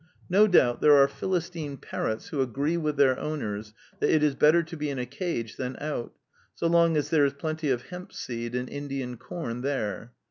No doubt there are Philistine parrots who agree with their owners that it is better to be in a cage than out, so long as there is plenty of hempseed and Indian corn there.